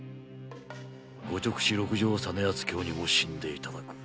ご勅使六条実篤卿にも死んでいただく。